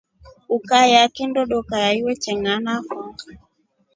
Ukayaa kindo doka ya iwe chenganafo.